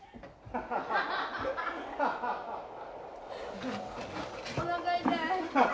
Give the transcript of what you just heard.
・ハハハハハ。